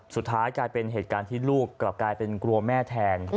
สุดท้ายกลายเป็นเหตุการณ์ที่ลูกกลับกลายเป็นกลัวแม่แทน